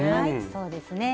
そうですね。